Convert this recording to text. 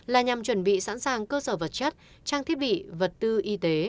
là nhằm chuẩn bị sẵn sàng cơ sở vật chất trang thiết bị vật tư y tế